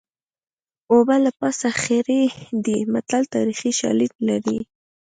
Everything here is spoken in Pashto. اوبه له پاسه خړې دي متل تاریخي شالید لري